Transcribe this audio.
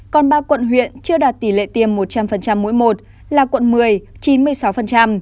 còn ba quận huyện chưa đạt tỷ lệ tiêm một trăm linh mũi một là quận một mươi